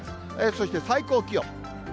そして最高気温。